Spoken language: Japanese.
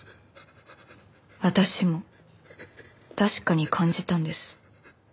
私も確かに感じたんです。